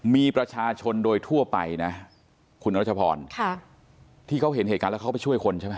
มีประชาชนโดยทั่วไปนะคุณรัชพรที่เขาเห็นเหตุการณ์แล้วเขาไปช่วยคนใช่ไหม